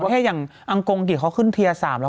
แต่อย่างอังกฎอังกฎเขาขึ้นเทียสามแล้ว